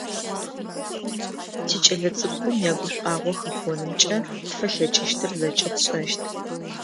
Тикӏэлэцӏыкӏухэм ягушӏуагъо хэхъонымкӏэ тфэлъэкӏыщтыр зэкӏэ тшӏэщт.